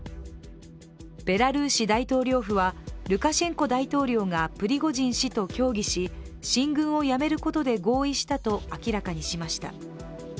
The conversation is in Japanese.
ベラルーシ大統領府は、ルカシェンコ大統領がプリゴジン氏と協議し進軍をやめることで合意したと明らかにしました。